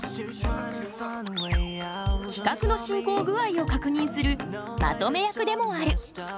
企画の進行具合を確認するまとめ役でもある。